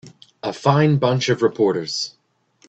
A fine bunch of reporters.